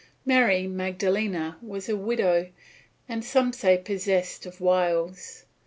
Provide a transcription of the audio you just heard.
Mary Magdalena was a widow, and some say possessed of wiles.